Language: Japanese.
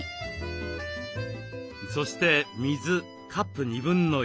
そして水カップ1/2。